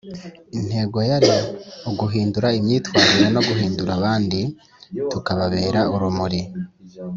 intego yari « uguhindura imyitwarire no guhindura abandi tukababera urumuri ».